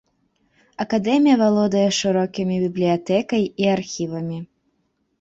Акадэмія валодае шырокімі бібліятэкай і архівамі.